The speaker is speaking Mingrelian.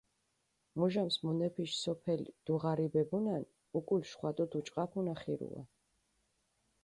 მუჟამს მუნეფიში სოფელი დუღარიბებუნანი, უკული შხვადო დუჭყაფუნა ხირუა.